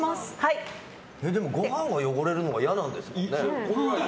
ご飯が汚れるのが嫌なんですよね？